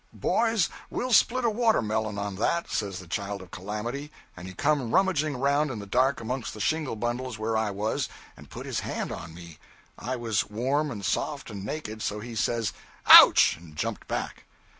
'Boys, we'll split a watermelon on that,' says the Child of Calamity; and he come rummaging around in the dark amongst the shingle bundles where I was, and put his hand on me. I was warm and soft and naked; so he says 'Ouch!' and jumped back.